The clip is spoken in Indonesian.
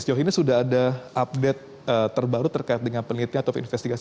sejauh ini sudah ada update terbaru terkait dengan penelitian atau investigasi